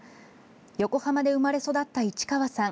横浜で生まれ育った市川さん。